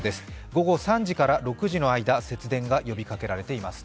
午後３時から６時の間、節電が呼びかけられています。